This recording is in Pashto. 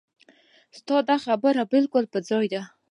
ستا دا خبره بالکل پر ځای ده.